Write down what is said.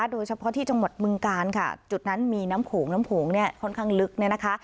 โดยเฉพาะที่จังหวัดบึงกาลค่ะจุดนั้นมีน้ำโขงน้ำโขงเนี่ยค่อนข้างลึกเนี่ยนะคะ